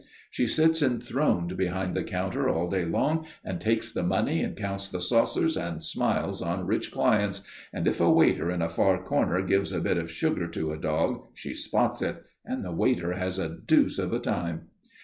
She sits enthroned behind the counter all day long and takes the money and counts the saucers and smiles on rich clients, and if a waiter in a far corner gives a bit of sugar to a dog she spots it, and the waiter has a deuce of a time.